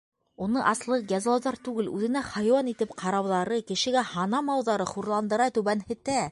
Уны аслыҡ, язалауҙар түгел, үҙенә хайуан итеп ҡарауҙары, кешегә һанамауҙары хурландыра, түбәнһетә.